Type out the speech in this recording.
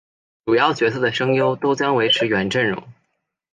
主要角色的声优都将维持原阵容。